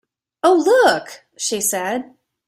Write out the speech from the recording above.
"Oh, look," she said.